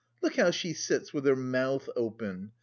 Look how she sits with her mouth open!